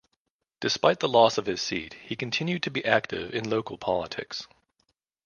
Despite the loss of his seat, he continued to be active in local politics.